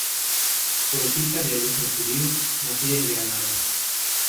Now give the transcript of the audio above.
Poetisa de origen judío, nacida en Granada.